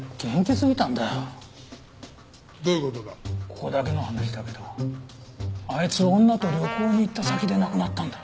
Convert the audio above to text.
ここだけの話だけどあいつ女と旅行に行った先で亡くなったんだ。